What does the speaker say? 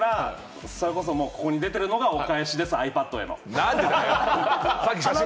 僕はここに出てることがお返しです、ｉＰａｄへの。